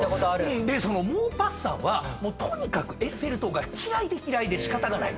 でそのモーパッサンはとにかくエッフェル塔が嫌いで嫌いで仕方がない。